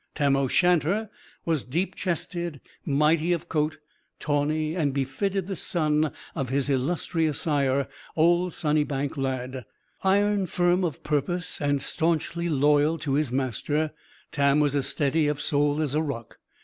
Tam o' Shanter was deep chested, mighty of coat, tawny; as befitted the son of his illustrious sire, old Sunnybank Lad. Iron firm of purpose and staunchly loyal to his master, Tam was as steady of soul as a rock.